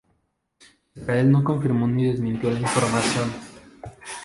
Israel no confirmó ni desmintió la información.